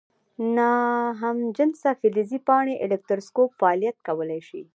ناهمجنسه فلزي پاڼې الکتروسکوپ فعالیت کولی شي؟